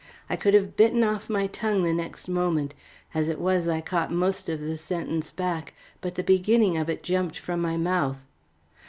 I could have bitten off my tongue the next moment. As it was I caught most of the sentence back. But the beginning of it jumped from my mouth.